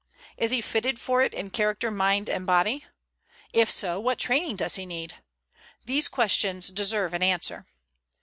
Is he fitted for it in character, mind, and body? If so, what training does he need? These questions deserve an answer.